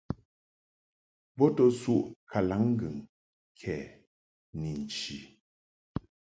Bo to suʼ kalaŋŋgɨŋ kɛ ni nchi.